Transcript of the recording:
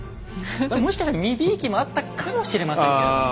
もしかしたら身びいきもあったかもしれませんけどもね。